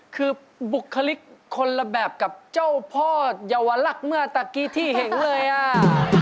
คือบุคลิกคนละแบบกับเจ้าพ่อเยาวลักษณ์เมื่อตะกี้ที่เห็นเลยอ่ะ